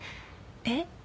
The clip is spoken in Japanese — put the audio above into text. えっ？